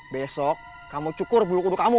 besok kamu cukur bulu kuduk kamu